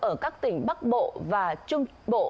ở các tỉnh bắc bộ và trung bộ